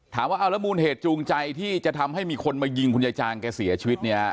ถามว่าเอาแล้วมูลเหตุจูงใจที่จะทำให้มีคนมายิงคุณยายจางแกเสียชีวิตเนี่ย